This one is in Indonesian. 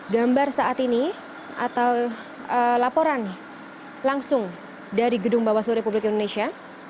gambar saat ini atau laporan langsung dari gedung bawaslu republik indonesia